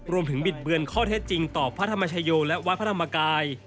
บิดเบือนข้อเท็จจริงต่อพระธรรมชโยและวัดพระธรรมกาย